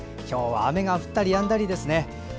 今日は雨が降ったりやんだりですね。